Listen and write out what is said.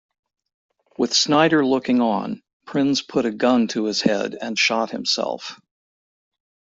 With Snyder looking on, Prinze put a gun to his head and shot himself.